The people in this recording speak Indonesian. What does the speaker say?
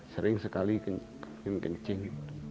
sering sekali yang kencing